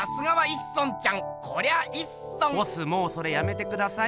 もうそれやめてください。